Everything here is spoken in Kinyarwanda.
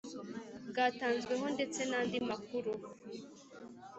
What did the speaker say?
bwatanzweho ndetse n andi makuru